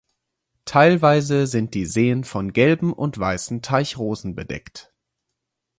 Teilweise sind die Seen von gelben und weißen Teichrosen bedeckt.